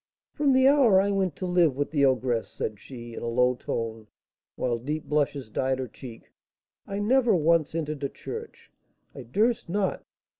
"From the hour I went to live with the ogress," said she, in a low tone, while deep blushes dyed her cheek, "I never once entered a church, I durst not.